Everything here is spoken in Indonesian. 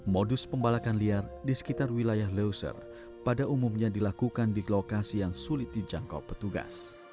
modus pembalakan liar di sekitar wilayah leuser pada umumnya dilakukan di lokasi yang sulit dijangkau petugas